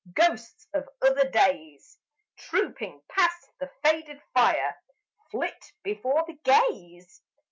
Ghosts of other days, Trooping past the faded fire, Flit before the gaze.